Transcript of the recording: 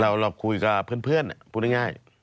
เราคุยกับเพื่อนพูดง่าย